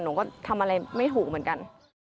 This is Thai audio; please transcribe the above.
หนูก็ทำอะไรไม่ถูกเหมือนกัน